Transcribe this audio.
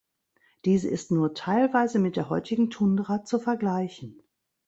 Diese ist nur teilweise mit der heutigen Tundra zu vergleichen.